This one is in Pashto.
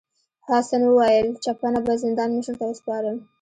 حسن وویل چپنه به زندان مشر ته وسپارم.